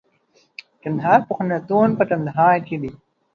کندهار پوهنتون په کندهار کي دئ.